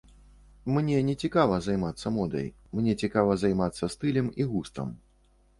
Мне не цікава займацца модай, мне цікава займацца стылем і густам.